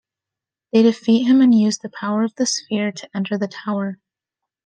They defeat him and use the power of the Sphere to enter the tower.